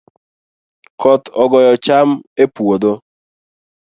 Koth ogoyo cham e puodho